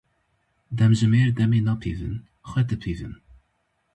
Demjimêr demê napîvin, xwe dipîvin.